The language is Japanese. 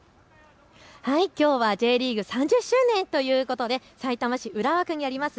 きょうはＪリーグ３０周年ということでさいたま市浦和区にあります